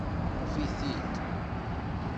Af-it-id.